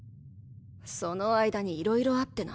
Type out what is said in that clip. その間にいろいろあってな。